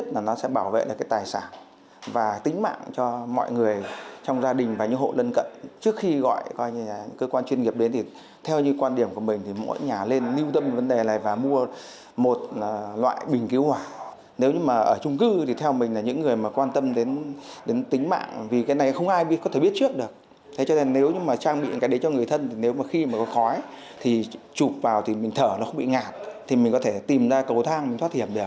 nếu như trang bị được thì mình thở nó không bị ngạt thì mình có thể tìm ra cầu thang mình thoát hiểm được